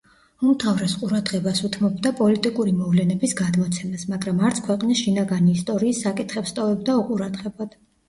უმთავრეს ყურადღებას უთმობდა პოლიტიკური მოვლენების გადმოცემას, მაგრამ არც ქვეყნის შინაგანი ისტორიის საკითხებს ტოვებდა უყურადღებოდ.